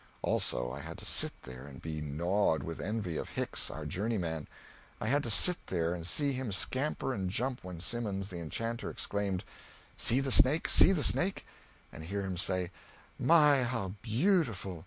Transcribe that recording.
Also, I had to sit there and be gnawed with envy of Hicks, our journeyman; I had to sit there and see him scamper and jump when Simmons the enchanter exclaimed, "See the snake! see the snake!" and hear him say, "My, how beautiful!"